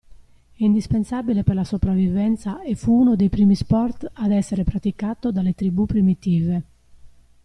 È indispensabile per la sopravvivenza e fu uno dei primi sport ad essere praticato dalle tribù primitive.